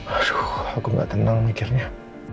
aduh aku gak tenang mikirnya